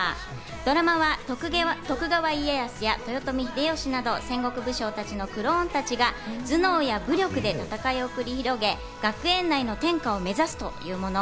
ドラマは徳川家康や豊臣秀吉など、戦国武将たちのクローンたちが頭脳や武力で戦いを繰り広げ、学園内の天下を目指すというもの。